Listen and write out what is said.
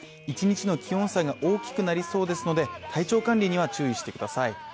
一日の気温差が大きくなりそうですので体調管理には注意してください。